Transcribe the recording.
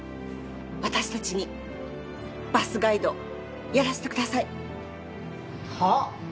私たちにバスガイドやらせてくださいは？